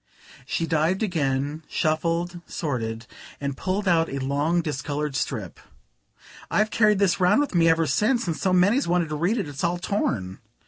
She dived again, shuffled, sorted, and pulled out a long discoloured strip. "I've carried this round with me ever since, and so many's wanted to read it, it's all torn."